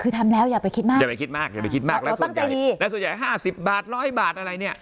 คือทำแล้วอยากไปคิดมากอยากไปคิดมากและส่วนใหญ่๕๐บาท๑๐๐บาทอะไรเนี่ย